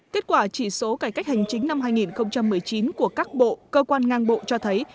kết quả chỉ số cải cách hành chính năm hai nghìn một mươi chín của các bộ cơ quan ngang bộ cho thấy